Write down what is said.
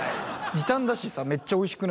時短だしさめっちゃおいしくない？